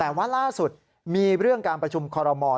แต่ว่าล่าสุดมีเรื่องการประชุมคอรมอล